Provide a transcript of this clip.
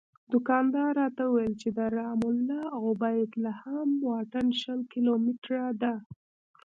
دوکاندار راته وویل د رام الله او بیت لحم واټن شل کیلومتره دی.